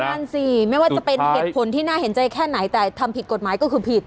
นั่นสิไม่ว่าจะเป็นเหตุผลที่น่าเห็นใจแค่ไหนแต่ทำผิดกฎหมายก็คือผิด